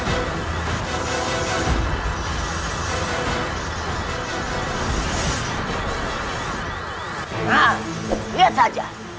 nah lihat saja